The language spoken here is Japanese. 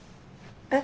えっ？